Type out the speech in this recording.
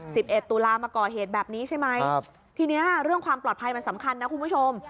สิบเอ็ดตุลามาก่อเหตุแบบนี้ใช่ไหมครับทีเนี้ยเรื่องความปลอดภัยมันสำคัญนะคุณผู้ชม